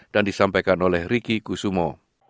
dan disampaikan oleh riki kusumo